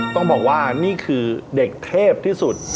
ต้องบอกว่านี่คือเด็กเทพที่สุด